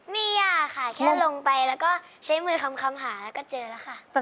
ไม่ยากค่ะแค่ลงไปแล้วก็ใช้มือคำหาแล้วก็เจอแล้วค่ะ